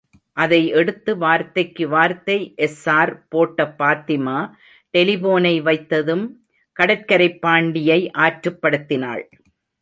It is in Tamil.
அதை எடுத்து வார்த்தைக்கு வார்த்தை, எஸ் சார் போட்ட பாத்திமா, டெலிபோனை வைத்ததும் கடற்கரைப் பாண்டியை ஆற்றுப்படுத்தினாள்.